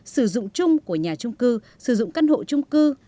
sử dụng chung của nhà trung cư sử dụng căn hộ trung cư